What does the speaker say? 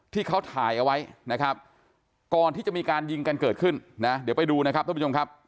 ที่เขาถ่ายเอาไว้นะครับก่อนที่จะมีการยิงกันเกิดขึ้นนะเดี๋ยวไปดูนะครับท่านผู้ชมครับ